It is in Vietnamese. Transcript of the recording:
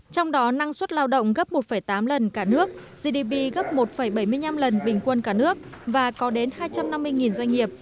trong đó năng suất lao động gấp một tám lần cả nước gdp gấp một bảy mươi năm lần bình quân cả nước và có đến hai trăm năm mươi doanh nghiệp